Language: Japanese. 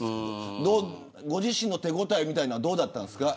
ご自身の手応えみたいなのはどうだったんですか。